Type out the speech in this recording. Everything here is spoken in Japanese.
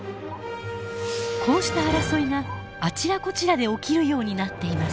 こうした争いがあちらこちらで起きるようになっています。